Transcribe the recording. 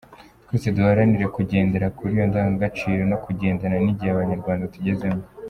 Twese duharanire kugendera kuri iyo ndangagaciro no kugendana n’igihe abanyarwanda tugezemo.”